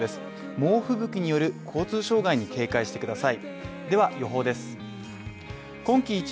猛ふぶきによる交通障害に警戒してください。